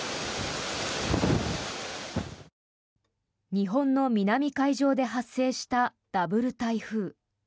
日本の南海上で発生したダブル台風。